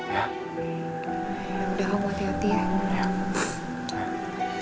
yaudah aku mau setiap tiang